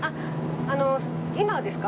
あの今ですか？